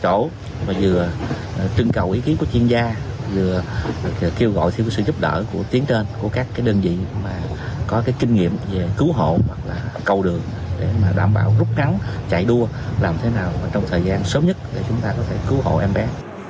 chúng ta vừa trưng cầu ý kiến của chuyên gia vừa kêu gọi sự giúp đỡ của tiến trên của các đơn vị có kinh nghiệm về cứu hộ cầu đường để đảm bảo rút ngắn chạy đua làm thế nào trong thời gian sớm nhất để chúng ta có thể cứu hộ em bé